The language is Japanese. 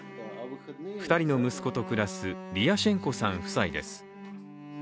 ２人の息子と暮らすリアシェンコさん夫妻です。